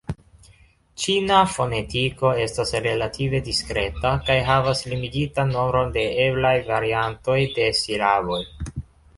Ĉina fonetiko estas relative diskreta kaj havas limigitan nombron de eblaj variantoj de silaboj.